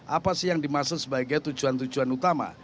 apa sih yang dimaksud sebagai tujuan tujuan utama